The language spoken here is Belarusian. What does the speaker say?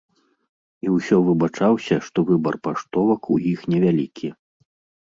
І ўсё выбачаўся, што выбар паштовак у іх невялікі.